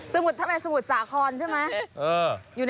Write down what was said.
ทำไมสมุทรสาครใช่ไหม